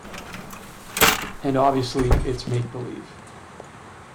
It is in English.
And obviously it's make-believe.